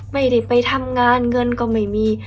ไม่ได้ไปทำงานเงินก็ไม่มี